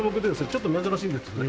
ちょっと珍しいんですね。